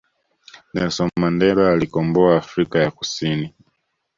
Nelson Mandela aliikomboa afrika ya kusini